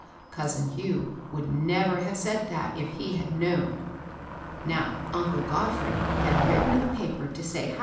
Cousin Hugh would never have said that if he had known I *♦ Now^ uncle Godfrey had written a paper to BARBABA STRAND.